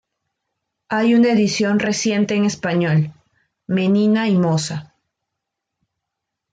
Hay una edición reciente en español: "Menina y moza", tr.